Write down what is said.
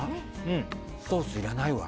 ソースいらないわ。